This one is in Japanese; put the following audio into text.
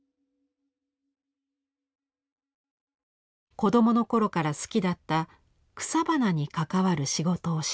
子どもの頃から好きだった草花に関わる仕事をしたい。